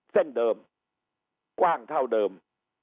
เส้นเดิมกว้างเท่าเดิม